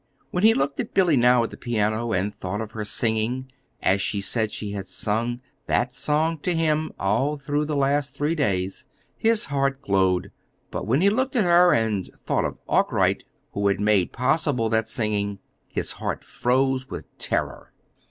When he looked at Billy now at the piano, and thought of her singing as she said she had sung that song to him all through the last three days, his heart glowed. But when he looked at her and thought of Arkwright, who had made possible that singing, his heart froze with terror.